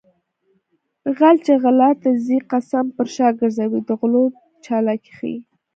غل چې غلا ته ځي قسم پر شا ګرځوي د غلو چالاکي ښيي